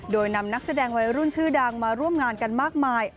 โดยนำนักแสดงวัยรุ่นชื่อดังมาร่วมงานกันมากมาย